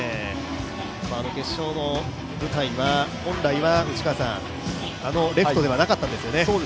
あの決勝の舞台は、本来はあのレフトではなかったんですよね。